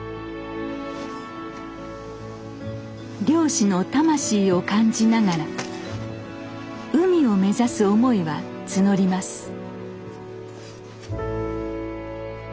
漁師の魂を感じながら海を目指す思いは募ります。